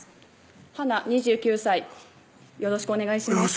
華２９歳よろしくお願いします